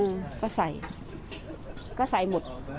อืมก็ใส่ก็ใส่หมด